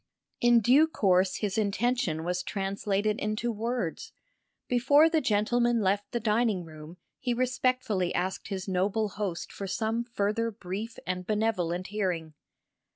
In due course his intention was translated into words; before the gentlemen left the dining room he respectfully asked his noble host for some further brief and benevolent hearing.